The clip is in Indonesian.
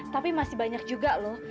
tapi masih banyak juga loh